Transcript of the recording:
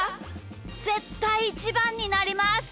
ぜったいイチバンになります！